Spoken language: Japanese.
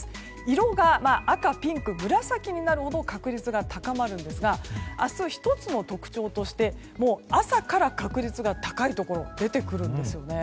色が赤、ピンク、紫になるほど確率が高まるんですが明日、１つの特徴として朝から確率が高いところ出てくるんですよね。